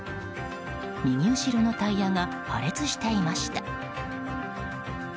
右後ろのタイヤが破裂していました。